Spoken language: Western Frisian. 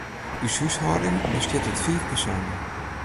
Us húshâlding bestiet út fiif persoanen.